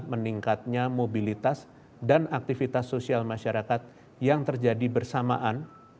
meningkatnya mobilitas dan aktivitas sosial masyarakat yang terjadi bersamaan